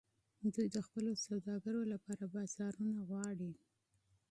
دوی د خپلو سوداګرو لپاره بازارونه غواړي